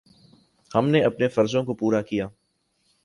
ہم نے اپنے فرضوں کو پورا کیا۔